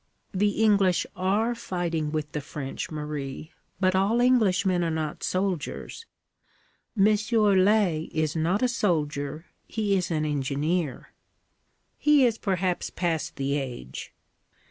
'The English are fighting with the French, Marie. But all Englishmen are not soldiers. Monsieur Laye is not a soldier. He is an engineer.' 'He is perhaps past the age.'